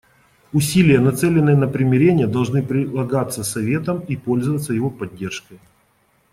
Усилия, нацеленные на примирение, должны прилагаться Советом и пользоваться его поддержкой.